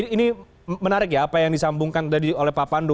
ini menarik ya apa yang disambungkan tadi oleh pak pandu